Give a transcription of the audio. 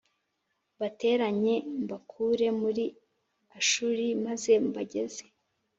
Mbateranye mbakure muri ashuri maze mbageze